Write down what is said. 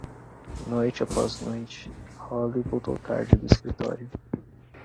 Noite após noite, Holly voltou tarde do escritório.